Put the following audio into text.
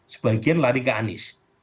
sebagian lari ke anies